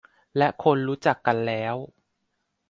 และคนรู้จักกันแล้ว